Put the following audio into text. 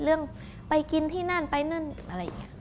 เรื่องไปกินที่นั่นไปนั่นอะไรอย่างนี้